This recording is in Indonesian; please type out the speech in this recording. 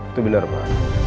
itu bila pak